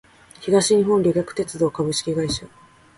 東日本旅客鉄道株式会社